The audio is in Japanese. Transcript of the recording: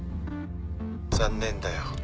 ☎残念だよ